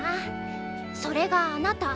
それがあなた。